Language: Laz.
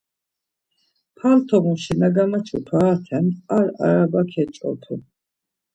Paltomuşi na gamaçu parate ar araba keç̌opu.